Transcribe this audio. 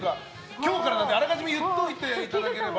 今日からなのであらかじめ言っておいていただければ。